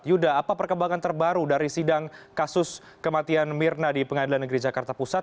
yuda apa perkembangan terbaru dari sidang kasus kematian mirna di pengadilan negeri jakarta pusat